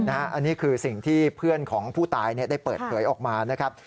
อันนี้คือสิ่งที่เพื่อนของผู้ตายได้เปิดเผยออกมานะครับ